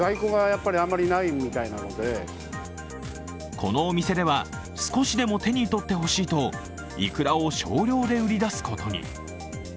このお店では少しでも手にとってほしいと、イクラを少量で売り出すことに。